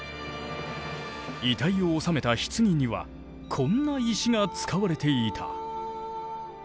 遺体を納めた棺にはこんな石が使われていた。